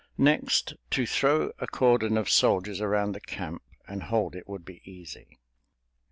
Next, to throw a cordon of soldiers around the camp and hold it would be easy.